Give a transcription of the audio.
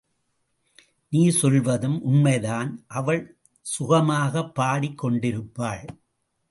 நீ சொல்வதும் உண்மைதான் அவள் சுகமாகப் பாடிக் கொண்டிருப்பாள்.